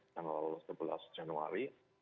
tanggal sebelas januari